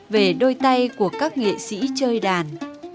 về đôi tay của các nghệ sĩ chơi đàn